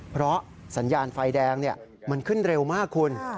เพราะสัญญาณไฟแดงมันขึ้นเร็วมากคุณ